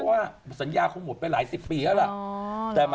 เวียยังอยู่ไหม